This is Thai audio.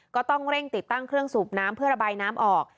ก็ต้องเร่งติดตั้งเครื่องสูบน้ำเพื่อระบายน้ำออก